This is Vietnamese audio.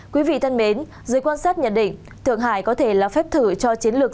quý vị thân mến dưới quan sát nhận định thượng hải có thể là phép thử cho chiến lược